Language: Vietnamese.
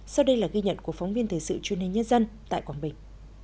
sau đây là ghi nhận của phóng viên thời sự truyền hình nhân dân tại quảng bình